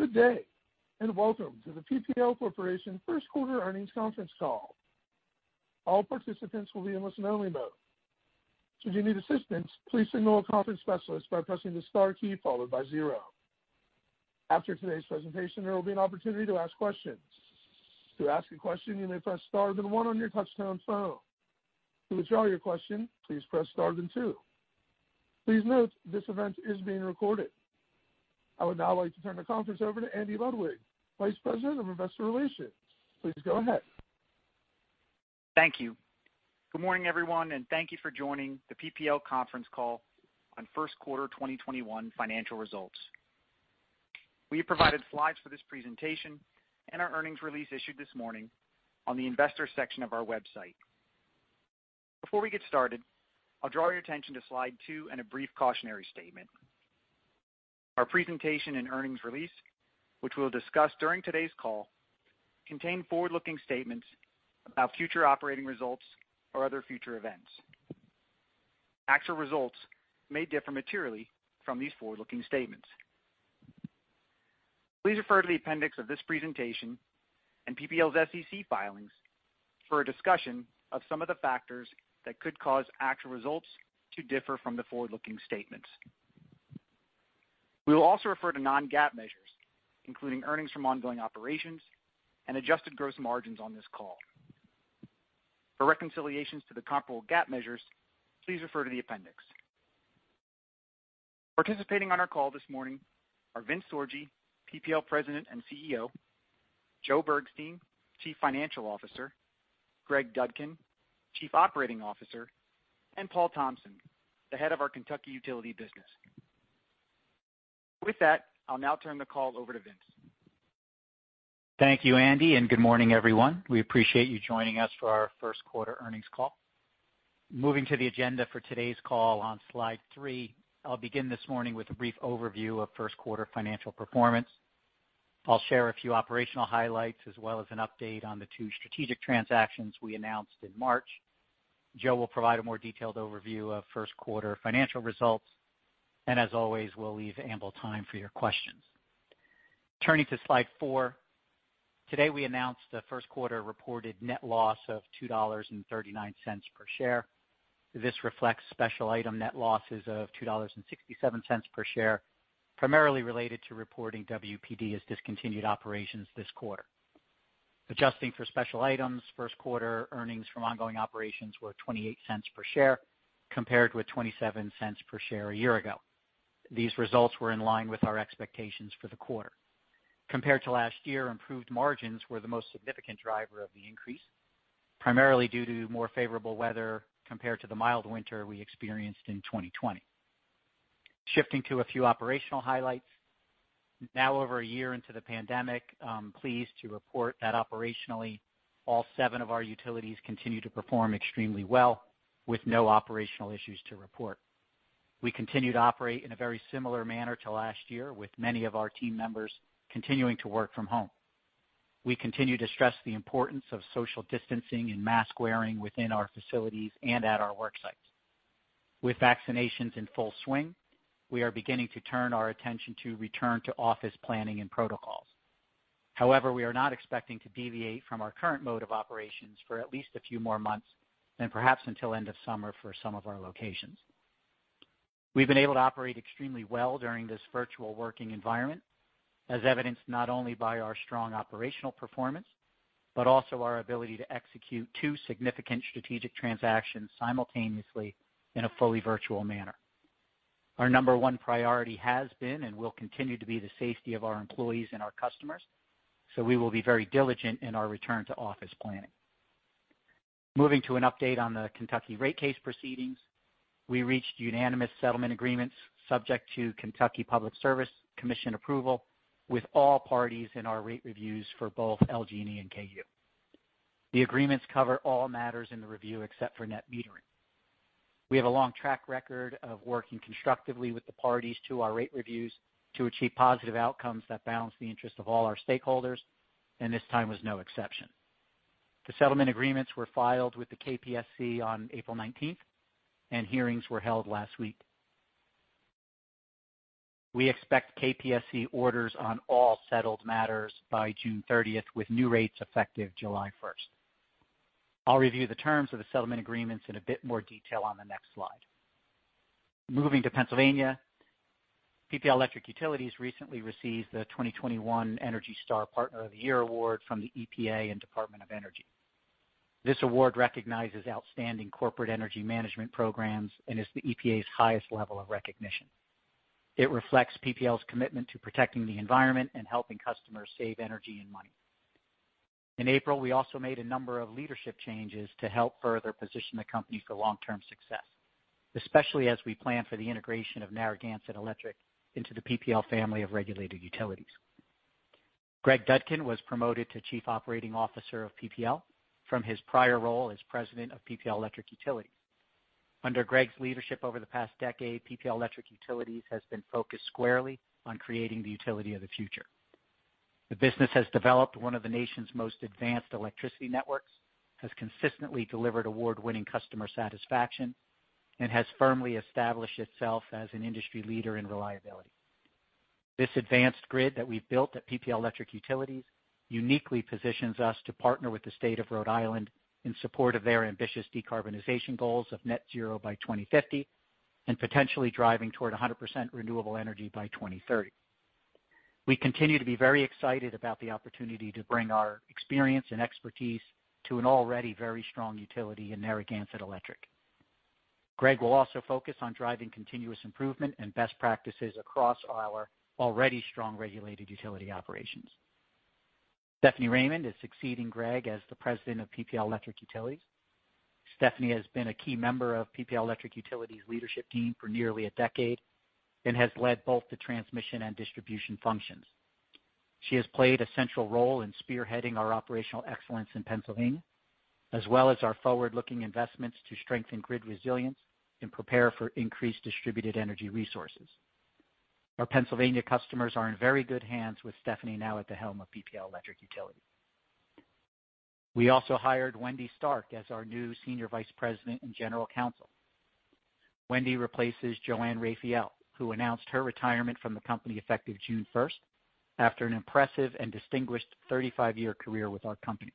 Good day, and welcome to the PPL Corporation first quarter earnings conference call. All participant will be on listen only mode. If you need assistant please signal operator specialist by pressing star key followed by zero. After today conference call their will be opportunity to asked question. To asked a question you may press star then one on your touchtone phone. To withdraw a question you may press star two. Please note this event is being recorded. Would now like to turn the conference over to Andy Ludwig, Vice President of Investor Relations. Please go ahead. Thank you. Good morning, everyone, and thank you for joining the PPL conference call on first quarter 2021 financial results. We have provided slides for this presentation and our earnings release issued this morning on the investors section of our website. Before we get started, I'll draw your attention to slide two and a brief cautionary statement. Our presentation and earnings release, which we'll discuss during today's call, contain forward-looking statements about future operating results or other future events. Actual results may differ materially from these forward-looking statements. Please refer to the appendix of this presentation and PPL's SEC filings for a discussion of some of the factors that could cause actual results to differ from the forward-looking statements. We will also refer to non-GAAP measures, including earnings from ongoing operations and adjusted gross margins on this call. For reconciliations to the comparable GAAP measures, please refer to the appendix. Participating on our call this morning are Vince Sorgi, PPL President and CEO, Joe Bergstein, Chief Financial Officer, Greg Dudkin, Chief Operating Officer, and Paul Thompson, the head of our Kentucky Utility business. With that, I'll now turn the call over to Vince. Thank you, Andy, good morning, everyone. We appreciate you joining us for our first quarter earnings call. Moving to the agenda for today's call on slide three, I'll begin this morning with a brief overview of first quarter financial performance. I'll share a few operational highlights as well as an update on the two strategic transactions we announced in March. Joe will provide a more detailed overview of first quarter financial results. As always, we'll leave ample time for your questions. Turning to slide four. Today, we announced a first quarter reported net loss of $2.39 per share. This reflects special item net losses of $2.67 per share, primarily related to reporting WPD as discontinued operations this quarter. Adjusting for special items, first quarter earnings from ongoing operations were $0.28 per share compared with $0.27 per share a year ago. These results were in line with our expectations for the quarter. Compared to last year, improved margins were the most significant driver of the increase, primarily due to more favorable weather compared to the mild winter we experienced in 2020. Shifting to a few operational highlights. Now over a year into the pandemic, I'm pleased to report that operationally, all seven of our utilities continue to perform extremely well with no operational issues to report. We continue to operate in a very similar manner to last year, with many of our team members continuing to work from home. We continue to stress the importance of social distancing and mask-wearing within our facilities and at our work sites. With vaccinations in full swing, we are beginning to turn our attention to return to office planning and protocols. However, we are not expecting to deviate from our current mode of operations for at least a few more months and perhaps until end of summer for some of our locations. We've been able to operate extremely well during this virtual working environment, as evidenced not only by our strong operational performance, but also our ability to execute two significant strategic transactions simultaneously in a fully virtual manner. Our number one priority has been and will continue to be the safety of our employees and our customers, so we will be very diligent in our return to office planning. Moving to an update on the Kentucky rate case proceedings. We reached unanimous settlement agreements subject to Kentucky Public Service Commission approval with all parties in our rate reviews for both LG&E and KU. The agreements cover all matters in the review except for net metering. We have a long track record of working constructively with the parties to our rate reviews to achieve positive outcomes that balance the interest of all our stakeholders. This time was no exception. The settlement agreements were filed with the KPSC on April 19th. Hearings were held last week. We expect KPSC orders on all settled matters by June 30th, with new rates effective July 1st. I'll review the terms of the settlement agreements in a bit more detail on the next slide. Moving to Pennsylvania. PPL Electric Utilities recently received the 2021 ENERGY STAR Partner of the Year Award from the EPA and Department of Energy. This award recognizes outstanding corporate energy management programs and is the EPA's highest level of recognition. It reflects PPL's commitment to protecting the environment and helping customers save energy and money. In April, we also made a number of leadership changes to help further position the company for long-term success, especially as we plan for the integration of Narragansett Electric into the PPL family of regulated utilities. Greg Dudkin was promoted to Chief Operating Officer of PPL from his prior role as President of PPL Electric Utilities. Under Greg's leadership over the past decade, PPL Electric Utilities has been focused squarely on creating the utility of the future. The business has developed one of the nation's most advanced electricity networks, has consistently delivered award-winning customer satisfaction, and has firmly established itself as an industry leader in reliability. This advanced grid that we've built at PPL Electric Utilities uniquely positions us to partner with the state of Rhode Island in support of their ambitious decarbonization goals of net zero by 2050 and potentially driving toward 100% renewable energy by 2030. We continue to be very excited about the opportunity to bring our experience and expertise to an already very strong utility in Narragansett Electric. Greg will also focus on driving continuous improvement and best practices across our already strong regulated utility operations. Stephanie Raymond is succeeding Greg as the President of PPL Electric Utilities. Stephanie has been a key member of PPL Electric Utilities leadership team for nearly a decade and has led both the transmission and distribution functions. She has played a central role in spearheading our operational excellence in Pennsylvania, as well as our forward-looking investments to strengthen grid resilience and prepare for increased distributed energy resources. Our Pennsylvania customers are in very good hands with Stephanie now at the helm of PPL Electric Utilities. We also hired Wendy Stark as our new Senior Vice President and General Counsel. Wendy replaces Joanne Raphael, who announced her retirement from the company effective June 1st after an impressive and distinguished 35-year career with our company.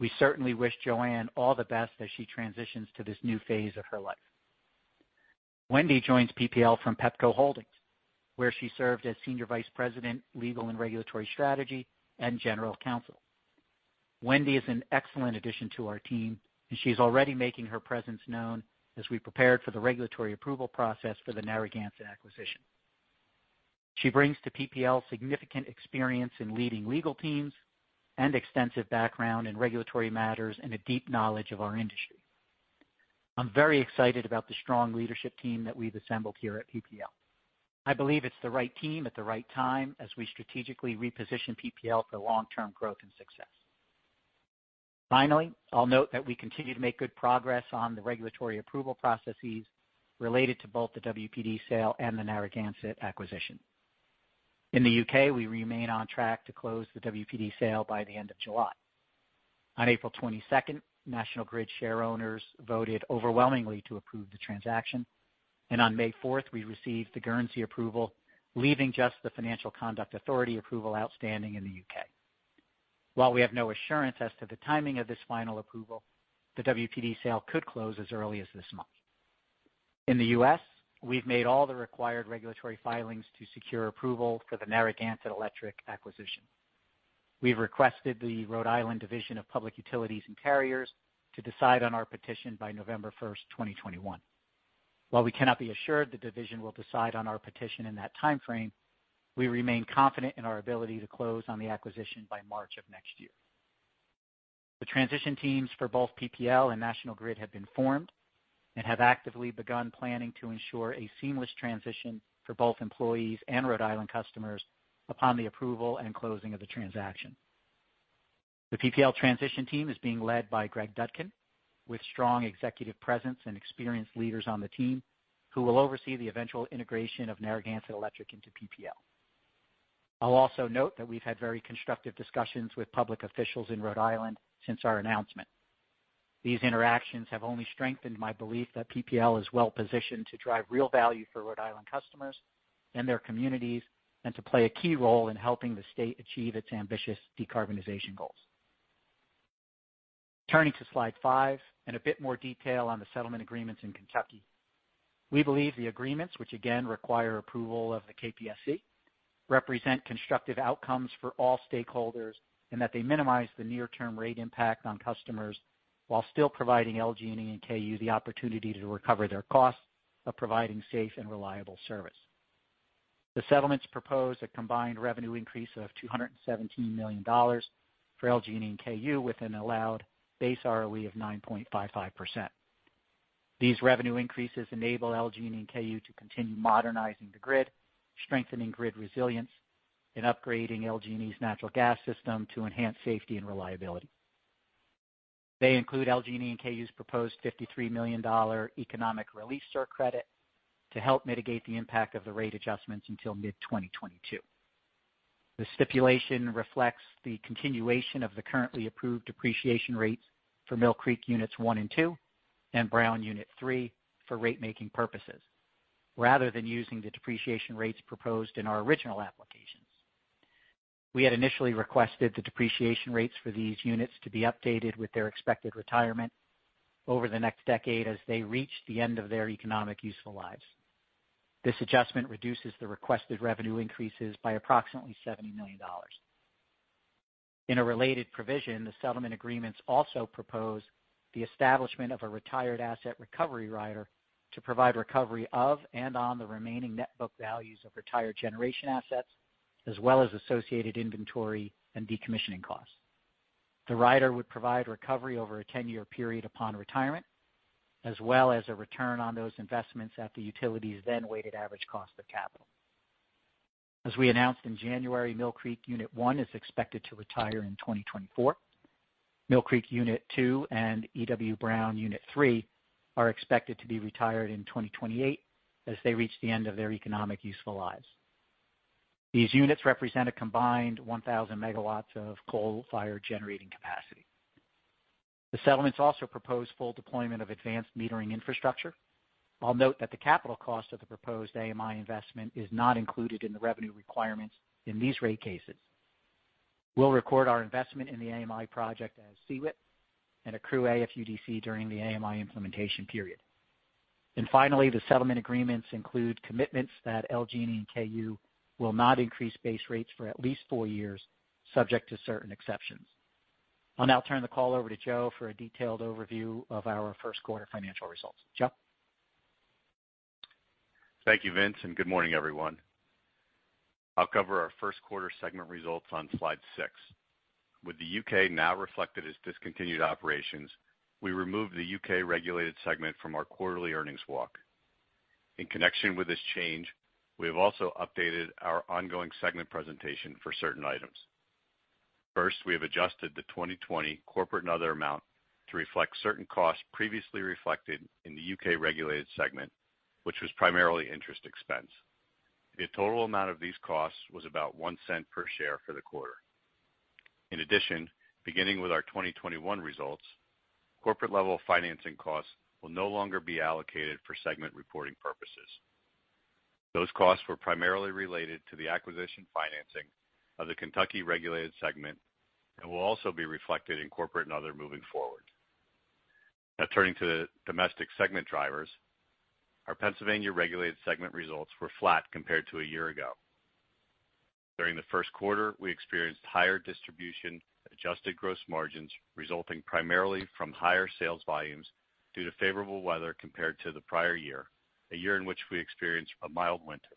We certainly wish Joanne all the best as she transitions to this new phase of her life. Wendy joins PPL from Pepco Holdings, where she served as Senior Vice President, Legal and Regulatory Strategy and General Counsel. Wendy is an excellent addition to our team, and she's already making her presence known as we prepared for the regulatory approval process for the Narragansett acquisition. She brings to PPL significant experience in leading legal teams and extensive background in regulatory matters and a deep knowledge of our industry. I'm very excited about the strong leadership team that we've assembled here at PPL. I believe it's the right team at the right time as we strategically reposition PPL for long-term growth and success. I'll note that we continue to make good progress on the regulatory approval processes related to both the WPD sale and the Narragansett acquisition. In the U.K., we remain on track to close the WPD sale by the end of July. On April 22nd, National Grid shareowners voted overwhelmingly to approve the transaction. On May 4th, we received the Guernsey approval, leaving just the Financial Conduct Authority approval outstanding in the U.K. While we have no assurance as to the timing of this final approval, the WPD sale could close as early as this month. In the U.S., we've made all the required regulatory filings to secure approval for the Narragansett Electric acquisition. We've requested the Rhode Island Division of Public Utilities and Carriers to decide on our petition by November 1st, 2021. While we cannot be assured the division will decide on our petition in that timeframe, we remain confident in our ability to close on the acquisition by March of next year. The transition teams for both PPL and National Grid have been formed and have actively begun planning to ensure a seamless transition for both employees and Rhode Island customers upon the approval and closing of the transaction. The PPL transition team is being led by Greg Dudkin, with strong executive presence and experienced leaders on the team who will oversee the eventual integration of Narragansett Electric into PPL. I'll also note that we've had very constructive discussions with public officials in Rhode Island since our announcement. These interactions have only strengthened my belief that PPL is well-positioned to drive real value for Rhode Island customers and their communities, and to play a key role in helping the state achieve its ambitious decarbonization goals. Turning to slide five and a bit more detail on the settlement agreements in Kentucky. We believe the agreements, which again require approval of the KPSC, represent constructive outcomes for all stakeholders and that they minimize the near-term rate impact on customers while still providing LG&E and KU the opportunity to recover their costs of providing safe and reliable service. The settlements propose a combined revenue increase of $217 million for LG&E and KU with an allowed base ROE of 9.55%. These revenue increases enable LG&E and KU to continue modernizing the grid, strengthening grid resilience, and upgrading LG&E's natural gas system to enhance safety and reliability. They include LG&E and KU's proposed $53 million Economic Relief Surcredit to help mitigate the impact of the rate adjustments until mid-2022. The stipulation reflects the continuation of the currently approved depreciation rates for Mill Creek units 1 and 2 and Brown unit 3 for rate-making purposes. Rather than using the depreciation rates proposed in our original applications. We had initially requested the depreciation rates for these units to be updated with their expected retirement over the next decade as they reach the end of their economic useful lives. This adjustment reduces the requested revenue increases by approximately $70 million. In a related provision, the settlement agreements also propose the establishment of a Retired Asset Recovery Rider to provide recovery of and on the remaining net book values of retired generation assets, as well as associated inventory and decommissioning costs. The rider would provide recovery over a 10-year period upon retirement, as well as a return on those investments at the utility's then weighted average cost of capital. As we announced in January, Mill Creek Unit 1 is expected to retire in 2024. Mill Creek Unit 2 and E.W. Brown Unit 3 are expected to be retired in 2028 as they reach the end of their economic useful lives. These units represent a combined 1,000 megawatts of coal-fired generating capacity. The settlements also propose full deployment of advanced metering infrastructure. I'll note that the capital cost of the proposed AMI investment is not included in the revenue requirements in these rate cases. We'll record our investment in the AMI project as CWIP and accrue AFUDC during the AMI implementation period. Finally, the settlement agreements include commitments that LG&E and KU will not increase base rates for at least four years, subject to certain exceptions. I'll now turn the call over to Joe for a detailed overview of our first quarter financial results. Joe? Thank you, Vince. Good morning, everyone. I'll cover our first quarter segment results on slide six. With the U.K. now reflected as discontinued operations, we removed the U.K. regulated segment from our quarterly earnings walk. In connection with this change, we have also updated our ongoing segment presentation for certain items. First, we have adjusted the 2020 corporate and other amount to reflect certain costs previously reflected in the U.K. regulated segment, which was primarily interest expense. The total amount of these costs was about $0.01 per share for the quarter. In addition, beginning with our 2021 results, corporate-level financing costs will no longer be allocated for segment reporting purposes. Those costs were primarily related to the acquisition financing of the Kentucky regulated segment and will also be reflected in corporate and other moving forward. Now turning to the domestic segment drivers, our Pennsylvania regulated segment results were flat compared to a year ago. During the first quarter, we experienced higher distribution adjusted gross margins, resulting primarily from higher sales volumes due to favorable weather compared to the prior year, a year in which we experienced a mild winter.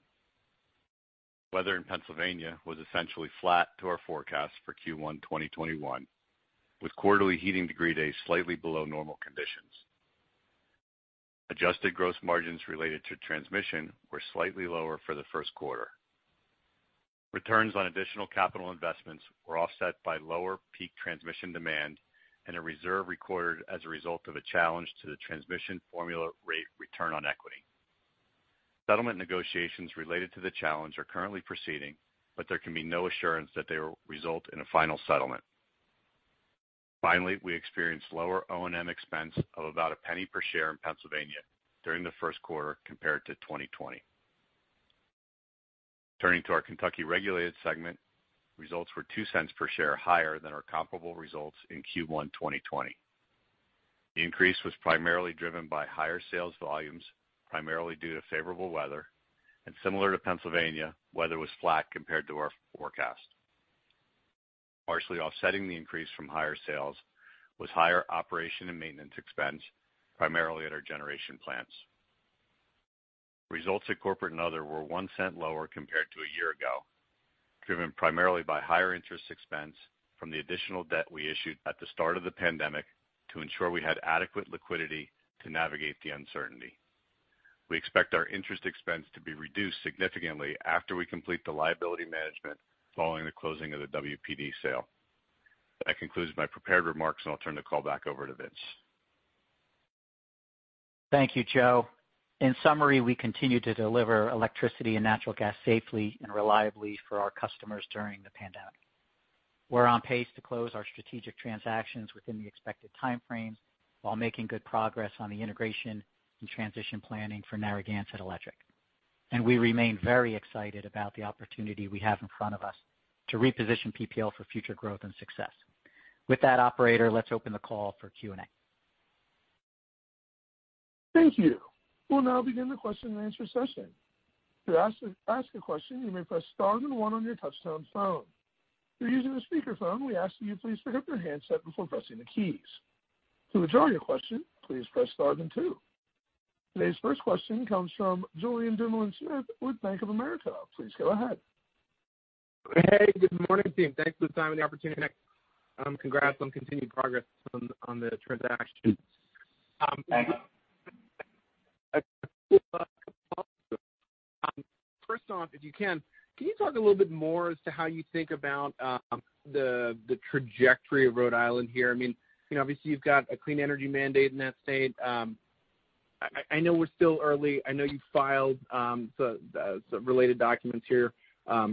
Weather in Pennsylvania was essentially flat to our forecast for Q1 2021, with quarterly heating degree days slightly below normal conditions. Adjusted gross margins related to transmission were slightly lower for the first quarter. Returns on additional capital investments were offset by lower peak transmission demand and a reserve recorded as a result of a challenge to the transmission formula rate return on equity. Settlement negotiations related to the challenge are currently proceeding, but there can be no assurance that they will result in a final settlement. Finally, we experienced lower O&M expense of about $0.01 per share in Pennsylvania during the first quarter compared to 2020. Turning to our Kentucky regulated segment, results were $0.02 per share higher than our comparable results in Q1 2020. The increase was primarily driven by higher sales volumes, primarily due to favorable weather, and similar to Pennsylvania, weather was flat compared to our forecast. Partially offsetting the increase from higher sales was higher operation and maintenance expense, primarily at our generation plants. Results at corporate and other were $0.01 lower compared to a year ago, driven primarily by higher interest expense from the additional debt we issued at the start of the pandemic to ensure we had adequate liquidity to navigate the uncertainty. We expect our interest expense to be reduced significantly after we complete the liability management following the closing of the WPD sale. That concludes my prepared remarks, and I'll turn the call back over to Vince. Thank you, Joe. In summary, we continue to deliver electricity and natural gas safely and reliably for our customers during the pandemic. We're on pace to close our strategic transactions within the expected timeframes while making good progress on the integration and transition planning for Narragansett Electric. We remain very excited about the opportunity we have in front of us to reposition PPL for future growth and success. With that, operator, let's open the call for Q and A. Thank you. We'll now begin the question-and-answer session. To ask a question you may press star and then one on you touchtone phone. If you are using speaker phone we asked you please pick up your handset before pressing any key. To withdraw your question please press star two. Today's first question comes from Julien Dumoulin-Smith with Bank of America. Please go ahead. Hey, good morning, team. Thanks for the time and the opportunity. Congrats on continued progress on the transaction. Thanks. If you can you talk a little bit more as to how you think about the trajectory of Rhode Island here? Obviously, you've got a clean energy mandate in that state. I know we're still early. I know you filed some related documents here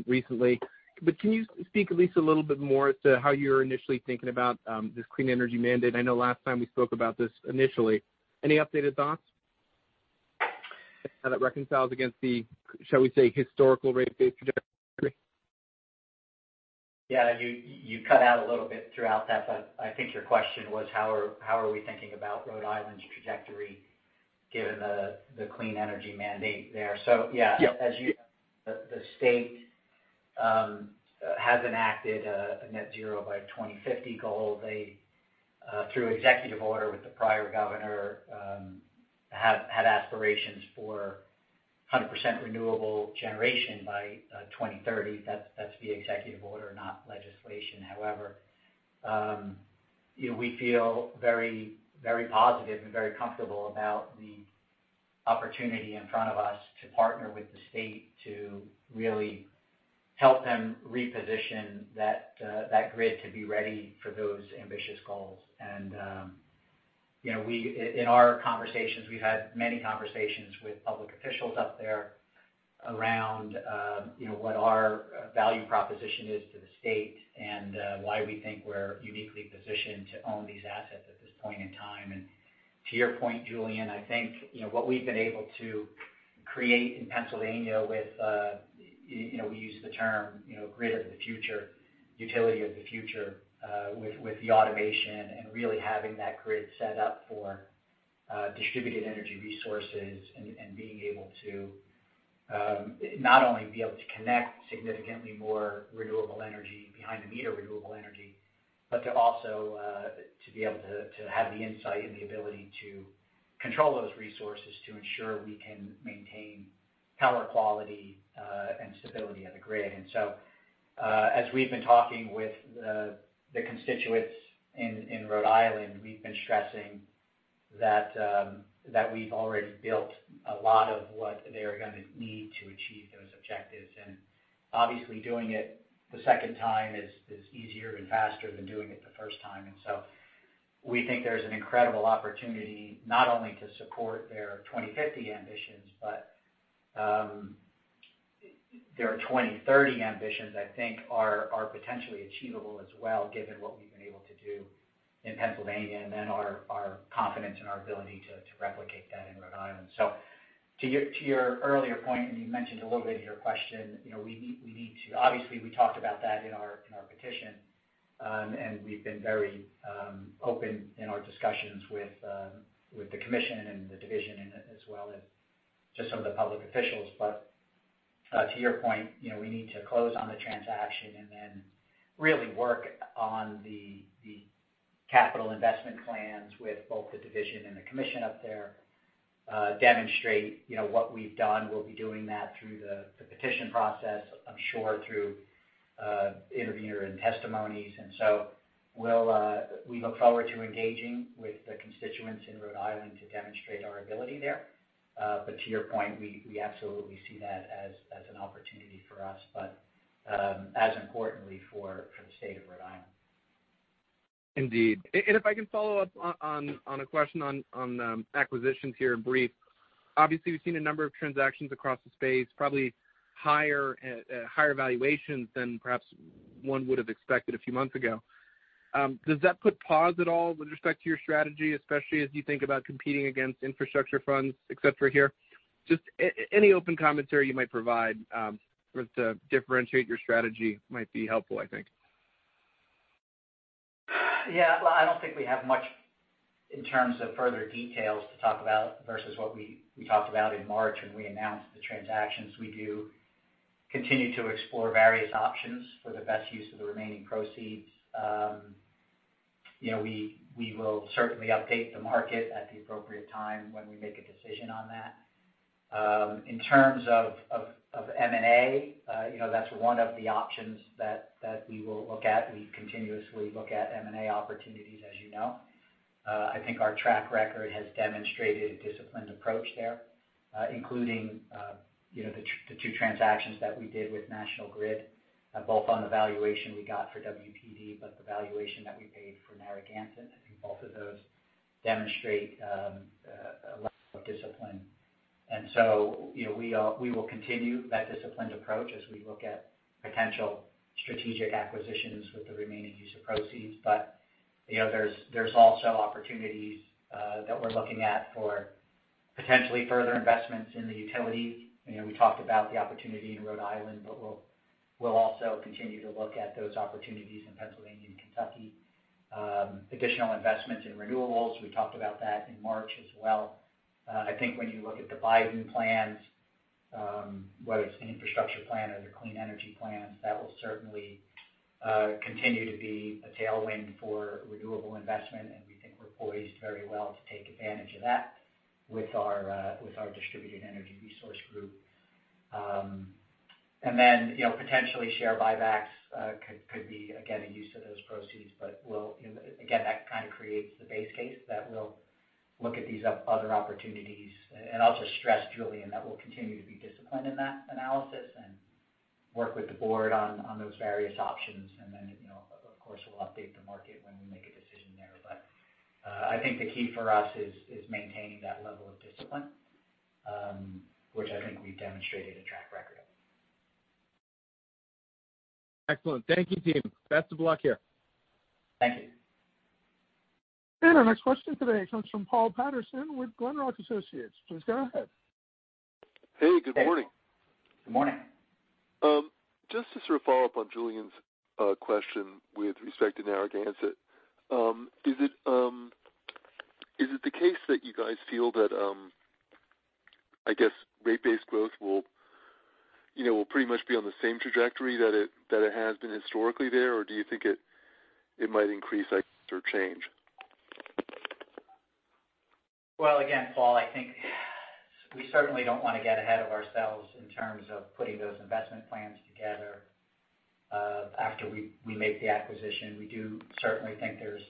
recently, but can you speak at least a little bit more to how you're initially thinking about this clean energy mandate? I know last time we spoke about this initially. Any updated thoughts on how that reconciles against the, shall we say, historical rate base trajectory? Yeah. You cut out a little bit throughout that, but I think your question was how are we thinking about Rhode Island's trajectory given the clean energy mandate there. Yeah. Yep. As you know, the state has enacted a net zero by 2050 goal. They, through executive order with the prior governor, have had aspirations for 100% renewable generation by 2030. That's the executive order, not legislation. We feel very positive and very comfortable about the opportunity in front of us to partner with the state to really help them reposition that grid to be ready for those ambitious goals. In our conversations, we've had many conversations with public officials up there around what our value proposition is to the state and why we think we're uniquely positioned to own these assets at this point in time. To your point, Julien, I think what we've been able to create in Pennsylvania with, we use the term, grid of the future, utility of the future with the automation and really having that grid set up for distributed energy resources and not only be able to connect significantly more renewable energy behind the meter. To also to be able to have the insight and the ability to control those resources to ensure we can maintain power quality and stability of the grid. As we've been talking with the constituents in Rhode Island, we've been stressing that we've already built a lot of what they're going to need to achieve those objectives. Obviously doing it the second time is easier and faster than doing it the first time. We think there's an incredible opportunity not only to support their 2050 ambitions, but their 2030 ambitions, I think are potentially achievable as well, given what we've been able to do in Pennsylvania and then our confidence in our ability to replicate that in Rhode Island. To your earlier point, and you mentioned a little bit in your question, obviously we talked about that in our petition. We've been very open in our discussions with the commission and the division as well as to some of the public officials. To your point, we need to close on the transaction and then really work on the capital investment plans with both the division and the commission up there, demonstrate what we've done. We'll be doing that through the petition process, I'm sure through interview and testimonies. We look forward to engaging with the constituents in Rhode Island to demonstrate our ability there. To your point, we absolutely see that as an opportunity for us, but as importantly for the state of Rhode Island. Indeed. If I can follow up on a question on acquisitions here in brief. Obviously, we've seen a number of transactions across the space, probably higher valuations than perhaps one would have expected a few months ago. Does that put pause at all with respect to your strategy, especially as you think about competing against infrastructure funds except for here? Any open commentary you might provide to differentiate your strategy might be helpful, I think. Yeah. I don't think we have much in terms of further details to talk about versus what we talked about in March when we announced the transactions. We do continue to explore various options for the best use of the remaining proceeds. We will certainly update the market at the appropriate time when we make a decision on that. In terms of M&A, that's one of the options that we will look at. We continuously look at M&A opportunities as you know. I think our track record has demonstrated a disciplined approach there, including the two transactions that we did with National Grid, both on the valuation we got for WPD, but the valuation that we paid for Narragansett. I think both of those demonstrate a level of discipline. We will continue that disciplined approach as we look at potential strategic acquisitions with the remaining use of proceeds. There's also opportunities that we're looking at for potentially further investments in the utility. We talked about the opportunity in Rhode Island, but we'll also continue to look at those opportunities in Pennsylvania and Kentucky. Additional investments in renewables, we talked about that in March as well. I think when you look at the Biden plans, whether it's the infrastructure plan or the clean energy plans, that will certainly continue to be a tailwind for renewable investment, and we think we're poised very well to take advantage of that with our distributed energy resource group. Potentially share buybacks could be, again, a use of those proceeds, but again, that kind of creates the base case that we'll look at these other opportunities. I'll just stress, Julien, that we'll continue to be disciplined in that analysis and work with the board on those various options. Of course, we'll update the market when we make a decision there. I think the key for us is maintaining that level of discipline, which I think we've demonstrated a track record of. Excellent. Thank you, team. Best of luck here. Thank you. Our next question today comes from Paul Patterson with Glenrock Associates. Please go ahead. Hey, good morning. Good morning. Just to sort of follow up on Julien's question with respect to Narragansett. Is it the case that you guys feel that, I guess rate-based growth will pretty much be on the same trajectory that it has been historically there, or do you think it might increase or change? Well, again, Paul, I think we certainly don't want to get ahead of ourselves in terms of putting those investment plans together. After we make the acquisition, we do certainly think there's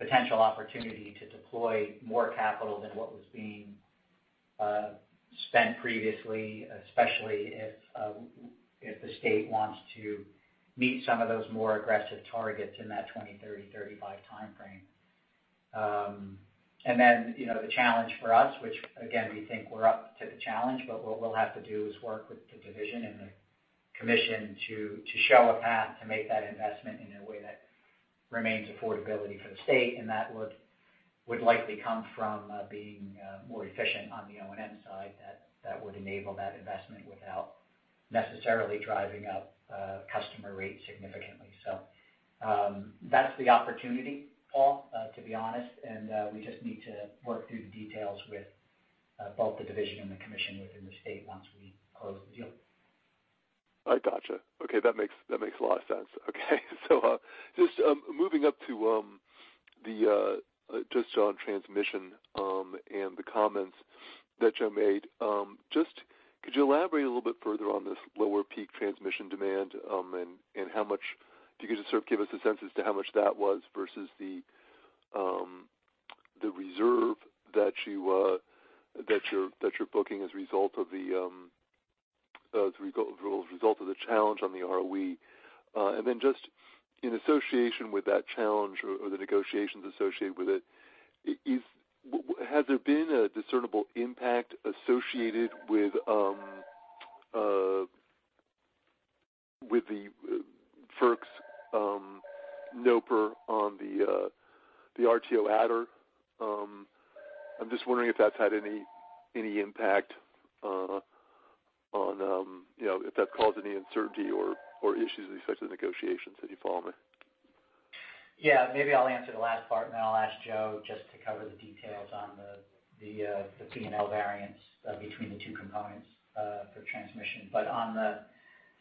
potential opportunity to deploy more capital than what was being spent previously, especially if the state wants to meet some of those more aggressive targets in that 2030, 2035 time frame. The challenge for us, which again, we think we're up to the challenge, but what we'll have to do is work with the division and the commission to show a path to make that investment in a way that remains affordability for the state. That would likely come from being more efficient on the O&M side, that would enable that investment without necessarily driving up customer rates significantly. That's the opportunity, Paul, to be honest, and we just need to work through the details with both the division and the commission within the state once we close the deal. I got you. Okay. That makes a lot of sense. Just moving up to just on transmission, and the comments that Joe made. Could you elaborate a little bit further on this lower peak transmission demand, and if you could just give us a sense as to how much that was versus the reserve that you're booking as a result of the challenge on the ROE? Just in association with that challenge or the negotiations associated with it, has there been a discernible impact associated with the FERC's NOPR on the RTO adder? I'm just wondering if that's had any impact or if that's caused any uncertainty or issues with respect to the negotiations, if you follow me. Yeah. Maybe I'll answer the last part, and then I'll ask Joe just to cover the details on the P&L variance between the two components for transmission.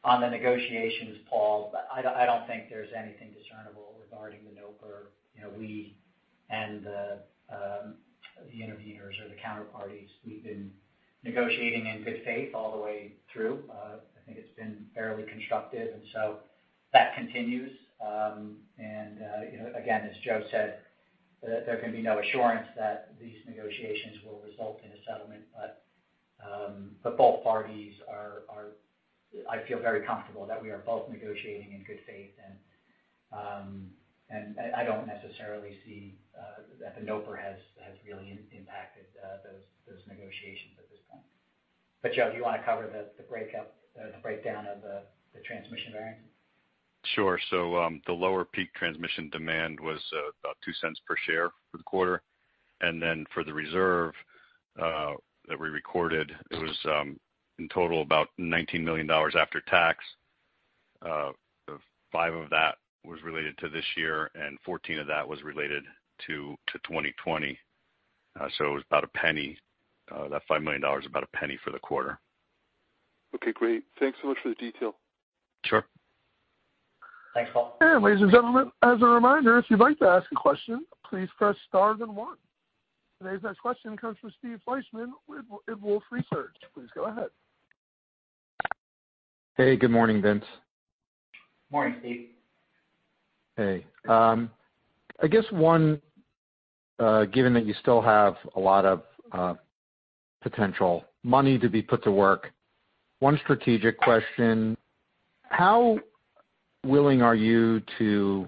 On the negotiations, Paul, I don't think there's anything discernible regarding the NOPR. We and the interveners or the counterparties, we've been negotiating in good faith all the way through. I think it's been fairly constructive. That continues. Again, as Joe said, there can be no assurance that these negotiations will result in a settlement. Both parties, I feel very comfortable that we are both negotiating in good faith. I don't necessarily see that the NOPR has really impacted those negotiations at this point. Joe, do you want to cover the breakdown of the transmission variance? Sure. The lower peak transmission demand was about $0.02 per share for the quarter. For the reserve that we recorded, it was in total about $19 million after tax. Five of that was related to this year, and 14 of that was related to 2020. It was about $0.01. That $5 million is about $0.01 for the quarter. Okay, great. Thanks so much for the detail. Sure. Thanks, Paul. Ladies and gentlemen, as a reminder, if you'd like to ask a question, please press star then one. Today's next question comes from Steve Fleishman with Wolfe Research. Please go ahead. Hey, good morning, Vince. Morning, Steve. Hey. I guess one, given that you still have a lot of potential money to be put to work, one strategic question, how willing are you to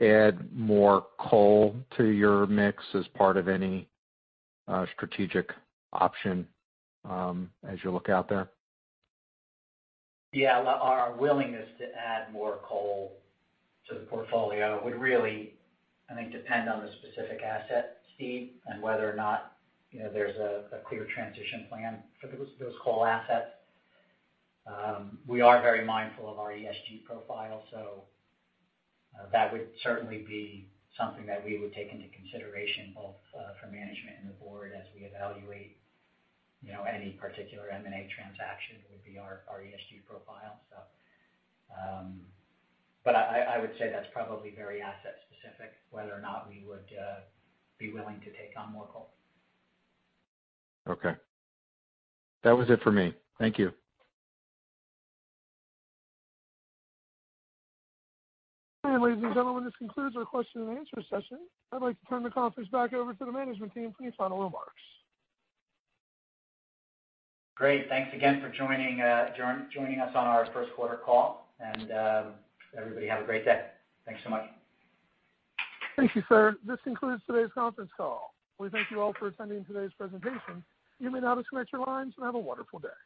add more coal to your mix as part of any strategic option as you look out there? Yeah, our willingness to add more coal to the portfolio would really, I think, depend on the specific asset, Steve, and whether or not there's a clear transition plan for those coal assets. We are very mindful of our ESG profile, that would certainly be something that we would take into consideration both for management and the board as we evaluate any particular M&A transaction, would be our ESG profile. I would say that's probably very asset specific, whether or not we would be willing to take on more coal. Okay. That was it for me. Thank you. Ladies and gentlemen, this concludes our question-and-answer session. I'd like to turn the conference back over to the management team for any final remarks. Great. Thanks again for joining us on our first quarter call. Everybody have a great day. Thanks so much. Thank you, sir. This concludes today's conference call. We thank you all for attending today's presentation. You may now disconnect your lines, and have a wonderful day.